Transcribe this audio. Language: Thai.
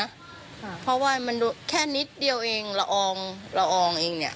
ค่ะเพราะว่ามันแค่นิดเดียวเองละอองละอองเองเนี้ย